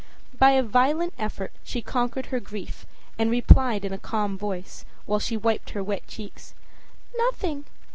By a violent effort she conquered her grief and replied in a calm voice, while she wiped her wet cheeks: âNothing.